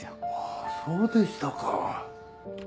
あぁそうでしたか。